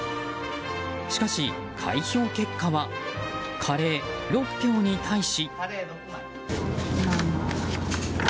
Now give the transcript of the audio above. しかし、開票結果はカレー６票に対し。